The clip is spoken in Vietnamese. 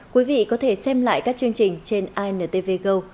quý vị có thể xem lại các chương trình trên intv go